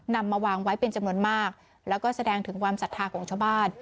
นำมาวางไว้เป็นจำนวนมากแล้วก็แสดงถึงความศรัทธาของชาวบ้าน